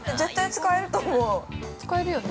◆使えるよね。